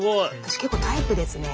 私結構タイプですね